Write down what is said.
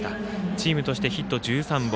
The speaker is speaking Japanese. チームとして、ヒット１３本。